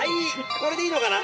これでいいのかな？